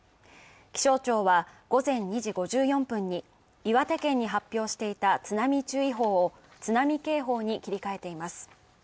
気象庁は午前２時５４分に岩手県に発表していた津波注意報を津波警報に切り替えています。